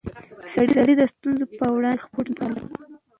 سړی د ستونزو په وړاندې خپل هوډ نه بایلي